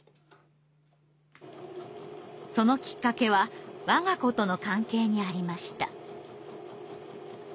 そのきっかけは我が子との関係にありました。